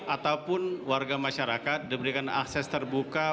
ataupun warga masyarakat diberikan akses terbuka